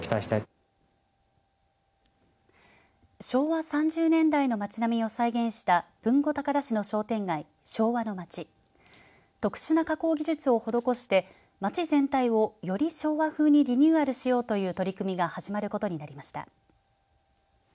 昭和３０年代の町並みを再現した豊後高田市の商店街、昭和の町特殊な加工技術を施して町全体を、より昭和風にリニューアルしようという取り組みが始まることになりました。